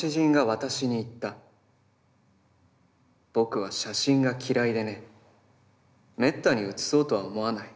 僕は写真が嫌いでね、滅多に写そうとは思わない。